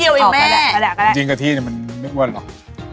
ให้แม่อ๋อเลยแหละไปได้ไปได้จริงกะทิเนี้ยมันไม่อ้วนหรอก